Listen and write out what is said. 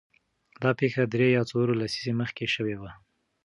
دا پېښه درې یا څلور لسیزې مخکې شوې وه.